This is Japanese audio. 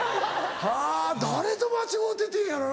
はぁ誰と間違うててんやろうな？